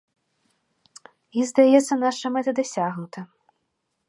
І, здаецца, наша мэта дасягнута.